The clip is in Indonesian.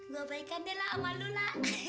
gua balikan deh la ama lu la